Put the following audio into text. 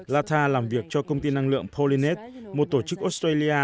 latha làm việc cho công ty năng lượng polinet một tổ chức australia